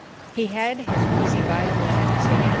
He had his wheezy violin in his hand.